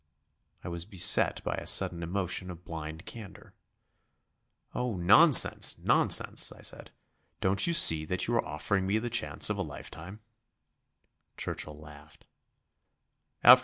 I was beset by a sudden emotion of blind candour. "Oh, nonsense, nonsense," I said. "Don't you see that you are offering me the chance of a lifetime?" Churchill laughed.